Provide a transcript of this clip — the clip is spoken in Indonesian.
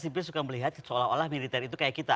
sipil suka melihat seolah olah militer itu kayak kita